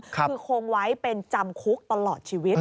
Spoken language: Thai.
คือคงไว้เป็นจำคุกตลอดชีวิต